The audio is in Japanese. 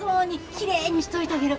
きれいにしといたげる。